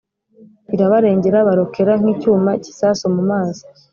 irabarengera Barokera nk icyuma cy isasu mu mazi.